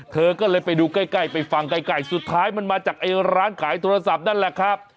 เธอก็เลยไปดูใกล้ไปฟังใกล้สุดท้ายมันมาจากไอ้ร้านขายโทรศัพท์นั่นแหละครับ